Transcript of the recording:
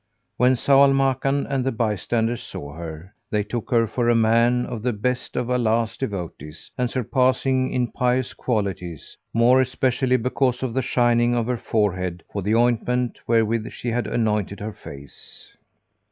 When Zau al Makan and the bystanders saw her, they took her for a man of the best of Allah's devotees and surpassing in pious qualities, more especially because of the shining of her forehead for the ointment wherewith she had anointed her face.